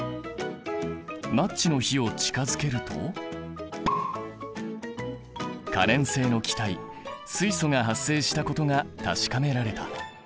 マッチの火を近づけると可燃性の気体水素が発生したことが確かめられた。